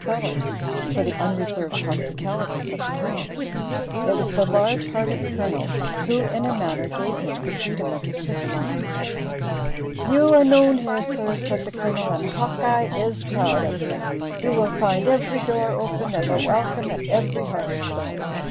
Sellers for the unreserved hospitalities of the town. It was the large hearted Colonel who, in a manner, gave him the freedom of the city. "You are known here, sir," said the Colonel, "and Hawkeye is proud of you. You will find every door open, and a welcome at every hearthstone.